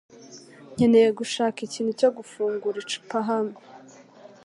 Nkeneye gushaka ikintu cyo gufungura icupa hamwe.